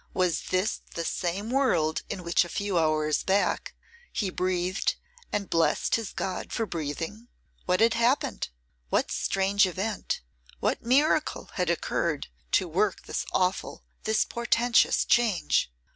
Was this the same world in which a few hours back he breathed, and blessed his God for breathing? What had happened? What strange event, what miracle had occurred, to work this awful, this portentous change?